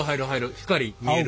光見える。